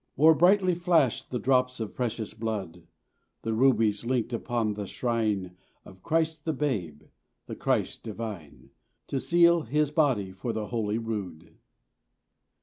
More brightly flashed the drops of precious blood, The rubies linked upon the shrine Of Christ the Babe, the Christ divine, To seal His body for the holy rood.